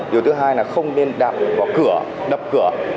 điều thứ hai là không nên đạp vào cửa đập cửa